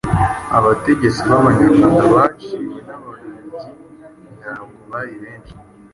Abategetsi b'Abanyarwanda baciwe n'Ababiligi ntabwo bari benshi.